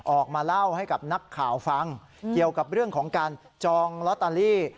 ออกมาเล่าให้กับนักข่าวฟังเกี่ยวกับเรื่องของการจองลอตเตอรี่